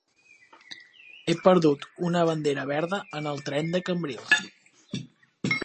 He perdut una bandera verda en el tren de Cambrils.